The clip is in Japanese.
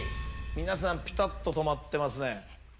皆さんピタっと止まってますね。